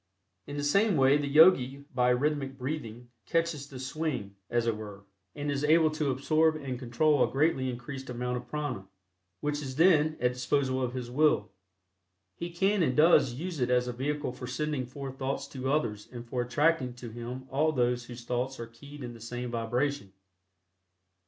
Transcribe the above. In the same way the Yogi by rhythmic breathing "catches the swing," as it were, and is able to absorb and control a greatly increased amount of prana, which is then at the disposal of his will. He can and does use it as a vehicle for sending forth thoughts to others and for attracting to him all those whose thoughts are keyed in the same vibration.